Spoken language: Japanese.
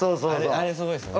あれすごいっすよね。